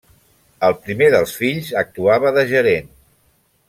El primer dels fills actuava de gerent.